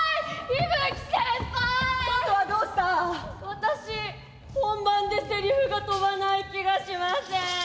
私本番でセリフが飛ばない気がしません。